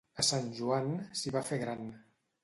A Sant Joan s'hi va fer gran.